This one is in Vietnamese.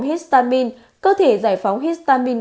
histamine cơ thể giải phóng histamine